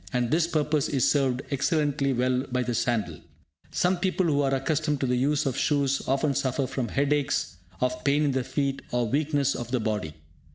And this purpose is served excellently well by the sandal. Some people who are accustomed to the use of shoes often suffer from headaches, of pain in the feet, or weakness of the body.